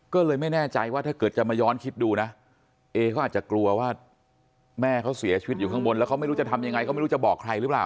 ก็เลยไม่แน่ใจว่าถ้าเกิดจะมาย้อนคิดดูนะเอเขาอาจจะกลัวว่าแม่เขาเสียชีวิตอยู่ข้างบนแล้วเขาไม่รู้จะทำยังไงเขาไม่รู้จะบอกใครหรือเปล่า